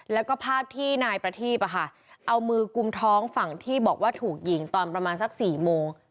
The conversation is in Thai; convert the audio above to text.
แล้วก็ภาพที่นายประทีพเอามือกุมท้องฝั่งที่บอกว่าถูกยิงตอนประมาณสัก๔โมง